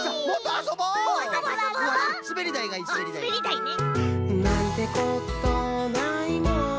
あっすべりだいね。